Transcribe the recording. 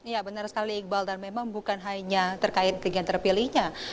ya benar sekali iqbal dan memang bukan hanya terkait kegiatan terpilihnya